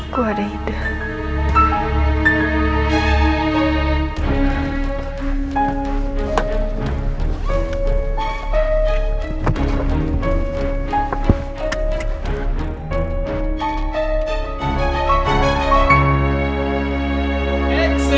gue ada hidup